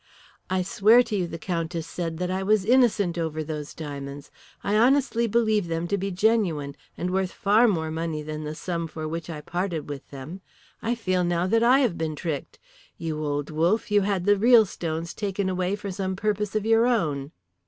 "I swear to you," the Countess said, "that I was innocent over those diamonds. I honestly believed them to be genuine, and worth far more money than the sum for which I parted with them. I feel now that I have been tricked. You old wolf, you had the real stones taken away for some purpose of your own."